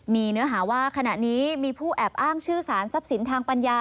มีเนื้อหาว่าขณะนี้มีผู้แอบอ้างชื่อสารทรัพย์สินทางปัญญา